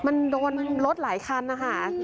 มันโดนรถหลายคันนะคะ